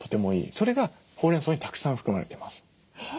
それがホウレンソウにたくさん含まれてます。